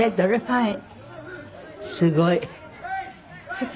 はい。